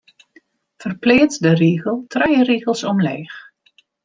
Ferpleats de rigel trije rigels omleech.